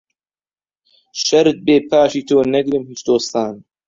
شەرت بێ پاشی تۆ نەگرم هیچ دۆستان